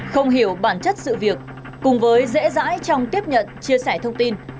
không hiểu bản chất sự việc cùng với dễ dãi trong tiếp nhận chia sẻ thông tin